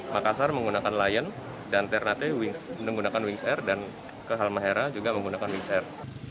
makassar menggunakan lion dan ternate menggunakan wings air dan ke halmahera juga menggunakan wings air